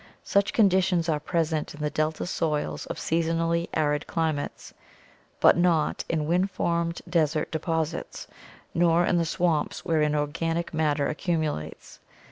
Such conditions are present in the delta soils of seasonally arid climates, but not in wind formed desert deposits, nor in the swamps wherein organic matter accumulates.